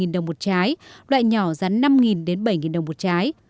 tám một mươi một đồng một trái loại nhỏ giá năm bảy đồng một trái